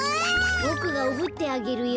ボクがおぶってあげるよ。